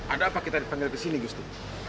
ada apa kita dipanggil ke sini gusti